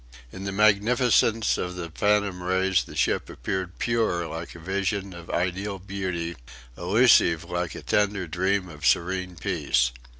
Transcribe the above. In the magnificence of the phantom rays the ship appeared pure like a vision of ideal beauty, illusive like a tender dream of serene peace.